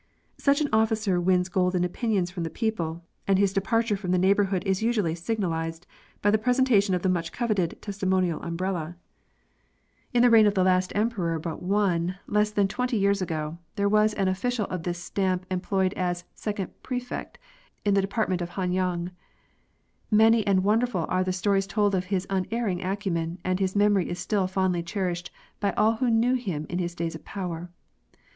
Such an officer wins golden opinions from the people, and his departure from the neighbourhood is usually signalised by the presentation of the much coveted testimonial umbrella. In the So JURISPRUDENCE. reign of the last Emperor but one, less than twenty years ago, there was an official of this stamp em ployed as " second Prefect '' in the department of Han yang. Many and wonderful are the stories told of his unerring acumen, and his memory is still fondly cherished by all who knew him in his days of power.